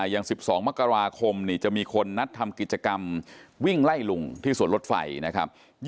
อย่าง๑๒มกราคมจะมีคนนัดทำกิจกรรมวิ่งไล่ลุงที่สวนรถไฟนะครับ